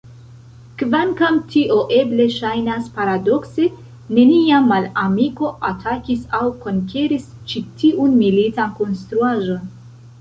Kvankam tio eble ŝajnas paradokse, neniam malamiko atakis aŭ konkeris ĉi tiun militan konstruaĵon.